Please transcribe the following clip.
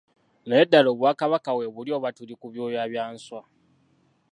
Naye ddala Obwakabaka weebuli oba tuli ku byoya bya nswa.